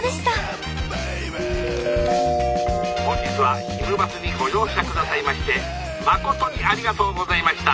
本日はひむバスにご乗車下さいましてまことにありがとうございました。